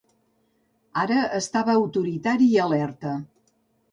Ara estava autoritari i alerta.